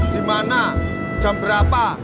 dimana jam berapa